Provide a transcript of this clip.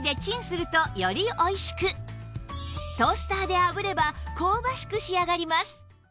トースターで炙れば香ばしく仕上がります